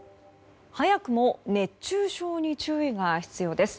早くも熱中症に注意が必要です。